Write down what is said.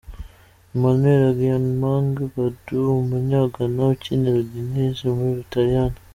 Emmanuel Agyemang , Badu , umunya Ghana ukinira Udinese mu Butaliyani.